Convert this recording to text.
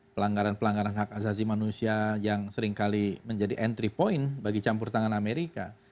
pelanggaran pelanggaran hak asasi manusia yang seringkali menjadi entry point bagi campur tangan amerika